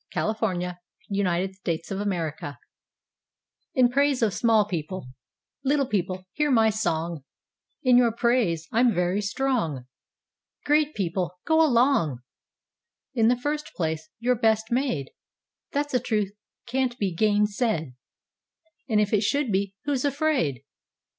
Carlo Innocenzo Frugoni (1692–1768) In Praise of Small People LITTLE people, hear my song; In your praise I'm very strong; Great big people, go along! In the first place, you're best made; That's a truth can't be gainsaid, And if it should be, who's afraid?